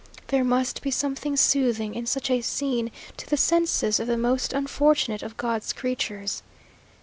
There must be something soothing in such a scene to the senses of these most unfortunate of God's creatures.